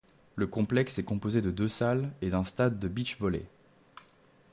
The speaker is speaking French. Le complexe est composé de deux salles et d'un stade de beach volley.